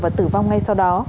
và tử vong ngay sau đó